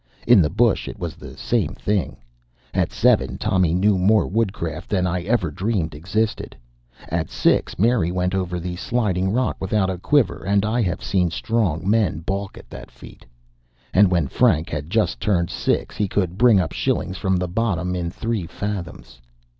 In the bush it was the same thing. At seven, Tom knew more woodcraft than I ever dreamed existed. At six, Mary went over the Sliding Rock without a quiver, and I have seen strong men balk at that feat. And when Frank had just turned six he could bring up shillings from the bottom in three fathoms.